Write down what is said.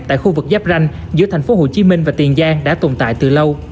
tại khu vực giáp ranh giữa thành phố hồ chí minh và tiền giang đã tồn tại từ lâu